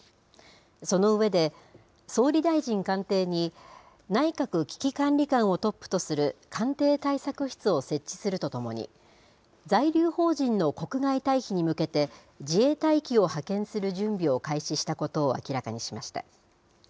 その上で、総理大臣官邸に内閣危機管理監をトップとする官邸対策室を設置するとともに、在留邦人の国外退避に向けて、自衛隊機を派遣する準備を開始したことを明らかにしました。